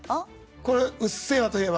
これ「うっせぇわ」といえば？